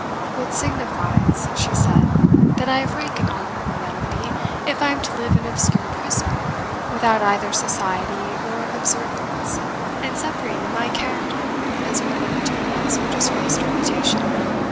"What signifies," she said, "that I have rank and honour in reality, if I am to live an obscure prisoner, without either society or observance, and suffering in my character, as one of dubious or disgraced reputation?